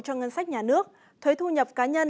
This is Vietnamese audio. cho ngân sách nhà nước thuế thu nhập cá nhân